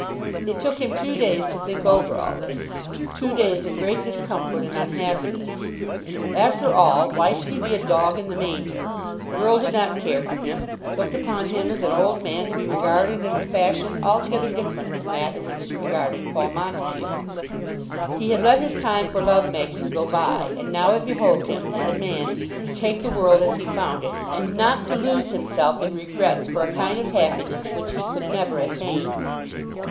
It took him two days to think over all this, two days of great discomfort and unhappiness. After all, why should he be a dog in the manger? The girl did not care for him, looked upon him as an old man to be regarded in a fashion altogether different from that in which she regarded Paul Montague. He had let his time for love making go by, and now it behoved him, as a man, to take the world as he found it, and not to lose himself in regrets for a kind of happiness which he could never attain.